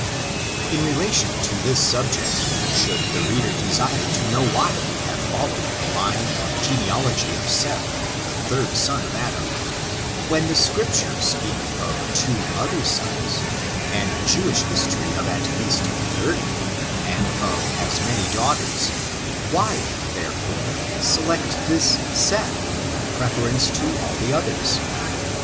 In relation to this subject, should the reader desire to know why we have followed the line or genealo gy of Seth^ the third son of Adam, when the Scrip tures speak of two other sons, and Jewish history of at least thirty, and of as many daughters, why, therefore, select this Seth in preference to all the others?